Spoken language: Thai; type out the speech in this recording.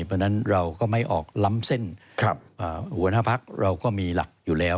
เพราะฉะนั้นเราก็ไม่ออกล้ำเส้นหัวหน้าพักเราก็มีหลักอยู่แล้ว